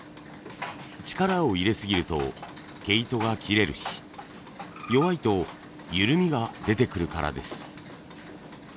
力を入れすぎると毛糸が切れるし弱いと緩みが出てくるからです。